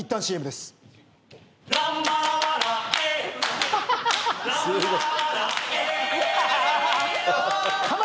すごーい。